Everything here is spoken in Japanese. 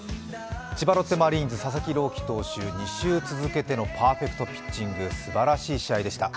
千葉ロッテマリーンズ・佐々木朗希投手、２週周続けてのパーフェクトピッチング、すばしらい試合でした。